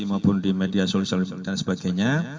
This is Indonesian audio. maupun di media sosial dan sebagainya